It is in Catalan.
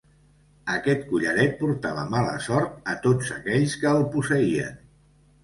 Aquest collaret portava mala sort a tots aquells que el posseïen.